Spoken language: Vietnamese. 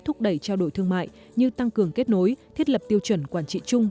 thúc đẩy trao đổi thương mại như tăng cường kết nối thiết lập tiêu chuẩn quản trị chung